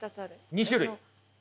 ２種類？